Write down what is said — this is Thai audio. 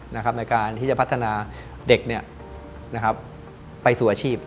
ในการที่จะพัฒนาเด็กไปสู่อาชีพ